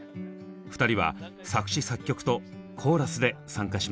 ２人は作詞作曲とコーラスで参加しました。